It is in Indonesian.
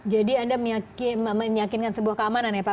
jadi anda meyakinkan sebuah keamanan ya pak